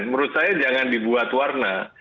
menurut saya jangan dibuat warna